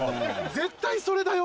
絶対それだよ？